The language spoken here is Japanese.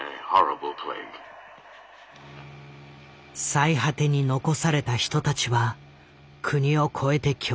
最果てに残された人たちは国を超えて協力。